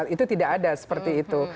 itu tidak ada seperti itu